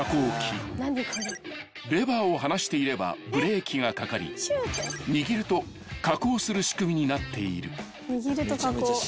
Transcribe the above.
［レバーを離していればブレーキがかかり握ると下降する仕組みになっている］